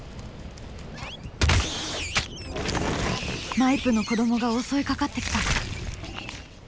マイプの子どもが襲いかかってきた。